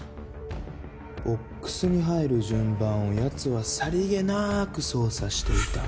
ボックスに入る順番を奴はさりげなーく操作していた。